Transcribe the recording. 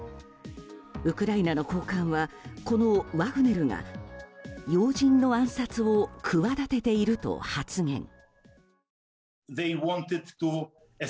ウクライナの高官はこのワグネルが要人の暗殺を企てていると発言。